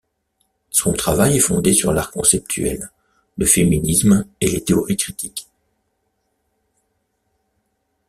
Son travail est fondé sur l’art conceptuel, le féminisme et les théories critiques.